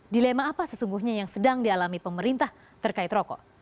dilema apa sesungguhnya yang sedang dialami pemerintah terkait rokok